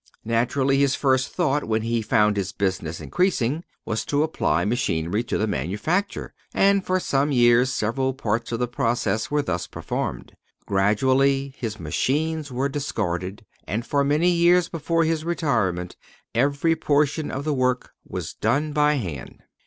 Naturally, his first thought, when he found his business increasing, was to apply machinery to the manufacture, and for some years several parts of the process were thus performed. Gradually, his machines were discarded, and for many years before his retirement, every portion of the work was done by hand.